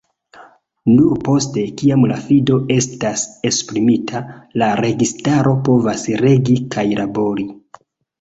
Nur poste, kiam la fido estas esprimita, la registaro povas regi kaj labori.